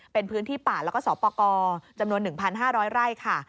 เป็นพื้นที่ป่าแล้วก็สปกรจำนวน๑๕๐๐ไร่ค่ะ